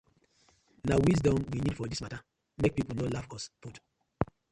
Na wisdom we need for dis matta mek pipus no laugh us put.